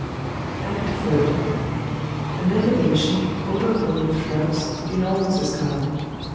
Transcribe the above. ] ACT THIRD [An elevation, overgrown with shrubs, in ALLMERS'S garden.